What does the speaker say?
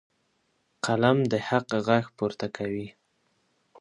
قلم د حق غږ پورته کوي.